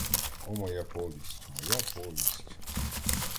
О моя повість, моя повість!